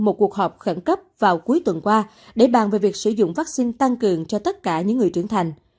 một cuộc họp khẩn cấp vào cuối tuần qua để bàn về việc sử dụng vaccine tăng cường cho tất cả những người trưởng thành